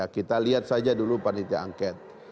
kita lihat saja dulu panitia angket